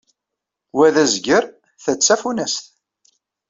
Wa d azger, ta d tafunast.